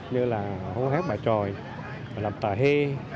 như là hô hát bài tròi làm tà hê